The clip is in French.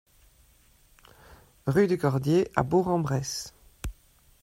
Rue du Cordier à Bourg-en-Bresse